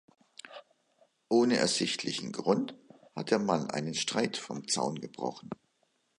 Ohne ersichtlichen Grund hat der Mann einen Streit vom Zaun gebrochen.